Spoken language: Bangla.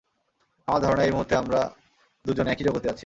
আমার ধারণা, এই মুহুর্তে আমরা দুজন একই জগতে আছি।